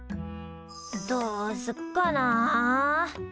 どうすっかな？